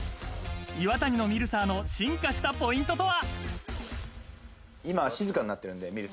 イワタニのミルサーの進化したポイントとは？